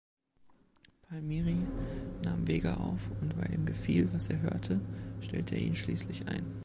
Palmieri nahm Vega auf und weil ihm gefiel, was er hörte, stellte er ihn schließlich ein.